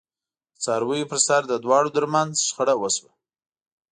د څارویو پرسر د دواړو ترمنځ شخړه وشوه.